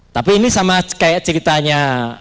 tapi ini sama kayak ceritanya